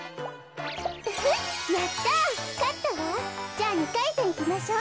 じゃあ２かいせんいきましょう。